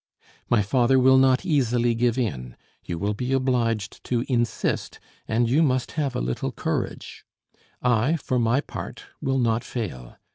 My father will not easily give in; you will be obliged to insist and you must have a little courage; I, for my part, will not fail.